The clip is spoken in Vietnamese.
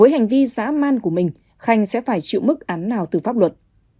hành vi dã man của mình khanh sẽ phải chịu mức án nào từ pháp luật